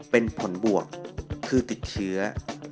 เป็นผลบวกคือติดเชื้อ